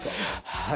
はい。